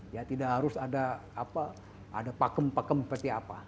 ya tidak harus ada pakem pakem seperti apa